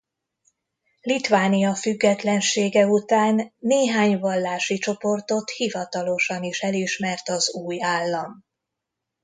Litvánia függetlensége után néhány vallási csoportot hivatalosan is elismert az új állam.